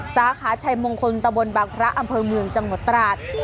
สาขาชัยมงคลตะบนบางพระอำเภอเมืองจังหวัดตราด